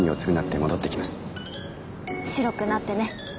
白くなってね。